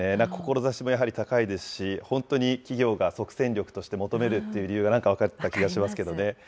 志もやはり高いですし、本当に企業が即戦力として求めるっていう理由が、なんか分かった気がしますけれどもね。